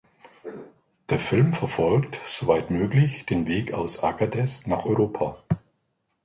Der Film verfolgt (soweit möglich) den Weg aus Agadez nach Europa.